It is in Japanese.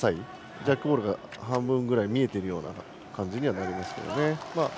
ジャックボールが半分ぐらい見えているような感じにはなりますよね。